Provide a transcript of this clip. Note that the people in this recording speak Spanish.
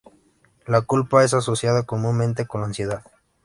La culpa es asociada comúnmente con la ansiedad.